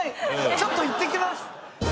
ちょっと行ってきます！